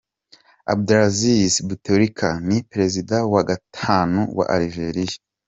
Abdelaziz Boutetlika ni Perezida wa gatanu wa Algeria